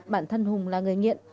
bạn thân hùng là người nghiện